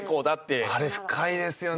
あれ深いですよね。